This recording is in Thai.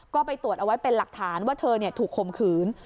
ก็ไปตรวจเอาไว้เป็นหลักฐานว่าเธอถูกคมขืน